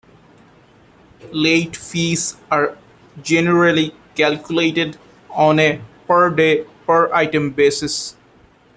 Late fees are generally calculated on a per day, per item basis.